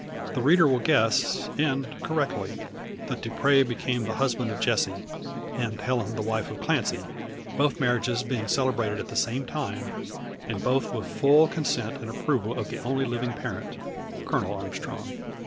The reader will guess, and correctly, that Dupre became the husband of Jessie, and Helen the wife of Clancy; both marriages being celebrated at the same time, and both with full consent and approval of the only living parent Colonel Armstrong.